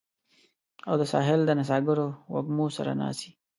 او د ساحل د نڅاګرو وږمو سره ناڅي